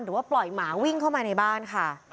หรือว่าปล่อยหมาวิ่งเข้ามาในบ้านค่ะ